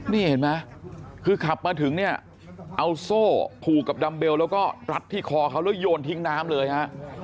นี่เห็นไหมคือขับมาถึงเนี่ยเอาโซ่ผูกกับดัมเบลแล้วก็รัดที่คอเขาแล้วโยนทิ้งน้ำเลยฮะ